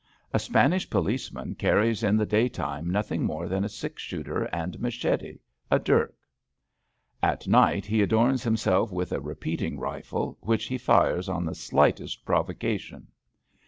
A Spanish policeman carries in the day time nothing more than a six shooter and machete, a dirk. At night he adorns himself with a repeating rifle, which he fires on the slightest provocation.